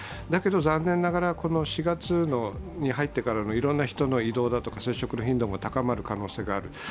だけど残念ながらこの４月に入ってからのいろんな人の移動だとか接触の頻度が高まる可能性がある。